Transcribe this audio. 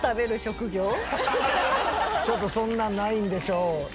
ちょっとそんなんないんでしょう。